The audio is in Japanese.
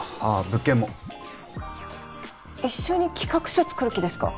物件も一緒に企画書作る気ですか？